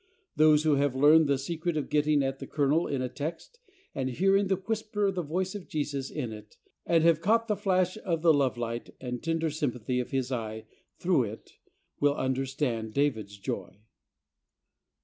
Those who have learned the secret of getting at the kernel in a text and hearing the whisper of the voice of Jesus in it, and have caught the flash of the love 180 THE soul winner's SECRET. light and tender sympathy of His eye through it, will understand David's joy.